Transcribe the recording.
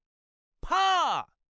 パー。